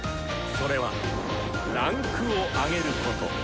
それは「位階を上げる」こと。